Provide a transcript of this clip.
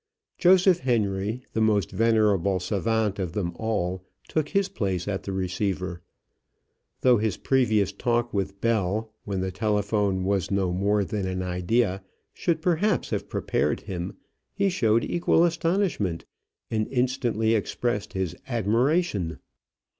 Joseph Henry, the most venerable savant of them all, took his place at the receiver. Though his previous talk with Bell, when the telephone was no more than an idea, should perhaps have prepared him, he showed equal astonishment, and instantly expressed his admiration.